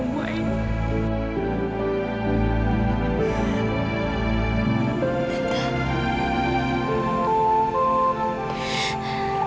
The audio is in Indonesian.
aida maafkan temple